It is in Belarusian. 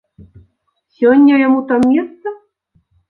Сёння яму там месца?